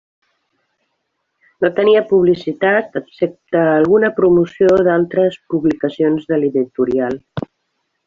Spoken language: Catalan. No tenia publicitat excepte alguna promoció d'altres publicacions de l'editorial.